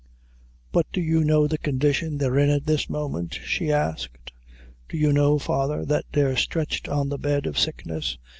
"But do you know the condition they're in at this moment?" she asked, "do you know, father, that they're stretched on the bed of sickness?